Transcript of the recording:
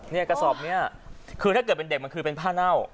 กระสอบนี้คือถ้าเกิดเป็นเด็กมันคือเป็นผ้าเน่า